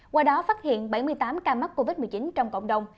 qua đó phát hiện bảy mươi tám ca mắc covid một mươi chín trong cộng đồng